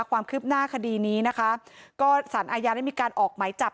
ความคืบหน้าคดีนี้นะคะก็สารอาญาได้มีการออกไหมจับ